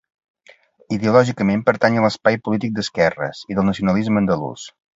Ideològicament pertany a l'espai polític d'esquerres i del nacionalisme andalús.